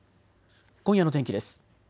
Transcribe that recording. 今夜の天気です。